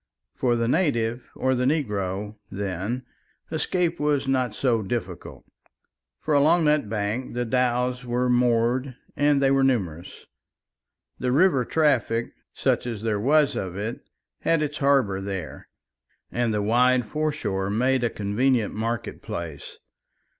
For the native or the negro, then, escape was not so difficult. For along that bank the dhows were moored and they were numerous; the river traffic, such as there was of it, had its harbour there, and the wide foreshore made a convenient market place.